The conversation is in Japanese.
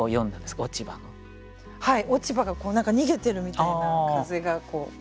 はい落ち葉が何か逃げてるみたいな風がこうなって。